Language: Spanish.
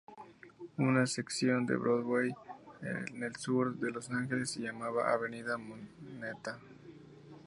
Una sección de Broadway en el Sur de Los Ángeles se llamaba Avenida Moneta.